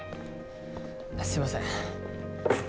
すいません。